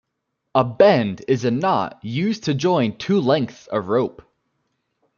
A bend is a knot used to join two lengths of rope.